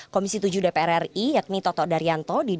komisi tujuh dpr ri yakni toto daryanto